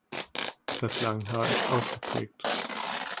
Das Langhaar ist ausgeprägt.